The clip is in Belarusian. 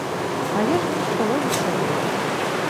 Але ж мне было весялей.